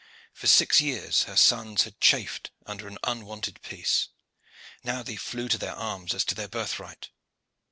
For six years her sons had chafed under an unwonted peace. Now they flew to their arms as to their birthright.